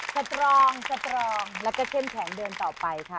สตรองสตรองแล้วก็เข้มแข็งเดินต่อไปค่ะ